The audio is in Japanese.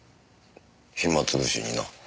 暇つぶしにな。